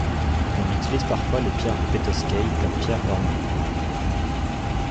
On utilise parfois les pierres de Petoskey comme pierres d’ornement.